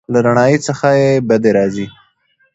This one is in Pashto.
له رڼایي څخه یې بدې راځي.